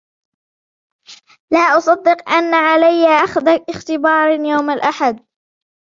لا أصدق أن عليّ أخذ اختبار يوم الأحد!